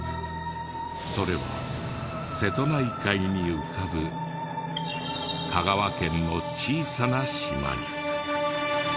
それは瀬戸内海に浮かぶ香川県の小さな島に。